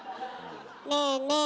ねえねえ